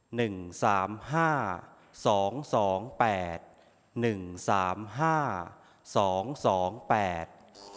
หนึ่งสามห้าสองสองแปดหนึ่งสามห้าสองสองแปด